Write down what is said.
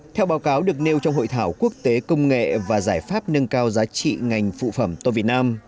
theo báo cáo được nêu trong hội thảo quốc tế công nghệ và giải pháp nâng cao giá trị ngành phụ phẩm to việt nam